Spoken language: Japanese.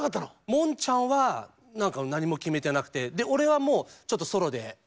モンちゃんは何か何も決めてなくて俺はもうちょっとソロで。